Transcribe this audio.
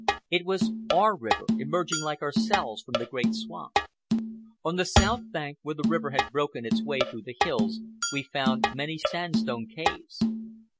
It was our river emerging like ourselves from the great swamp. On the south bank, where the river had broken its way through the hills, we found many sand stone caves.